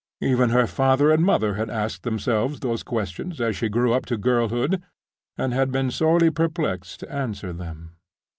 Even her father and mother had asked themselves those questions, as she grew up to girlhood, and had been sorely perplexed to answer them.